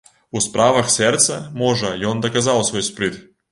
У справах сэрца, можа, ён даказаў свой спрыт.